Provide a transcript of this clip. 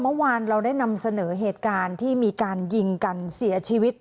เมื่อวานเราได้นำเสนอเหตุการณ์ที่มีการยิงกันเสียชีวิต